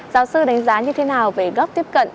giáo sư đánh giá như thế nào về góc tiếp cận